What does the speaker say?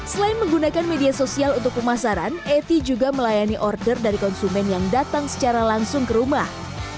selain menggunakan media sosial untuk pemasaran eti juga melayani order dari konsumen yang datang secara langsung ke rumah